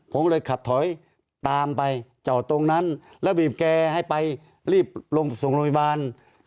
ผมเลยขับถอยตามไปจอดตรงนั้นแล้วบีบแกให้ไปรีบลงส่งโรงพยาบาล